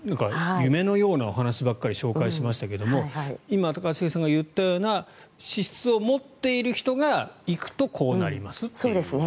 夢のようなお話ばかり紹介しましたけども今、一茂さんが言ったような資質を持った人が行くとこうなりますっていう。